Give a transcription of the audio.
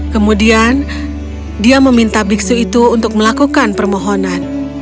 kemudian dia meminta biksu itu untuk melakukan permohonan